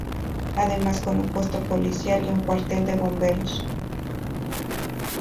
Además con un puesto policial y un cuartel de bomberos.